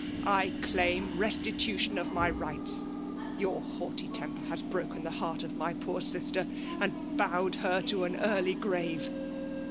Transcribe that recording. I claim restitution of my rights ! Your haughty temper has broken the heart of my poor sister, and bowed her to an early grave.